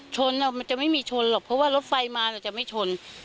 มันจะไม่มีชนหรอกเพราะว่ารถไฟมาเราจะไม่ชน